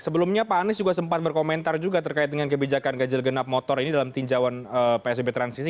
sebelumnya pak anies juga sempat berkomentar juga terkait dengan kebijakan ganjil genap motor ini dalam tinjauan psbb transisi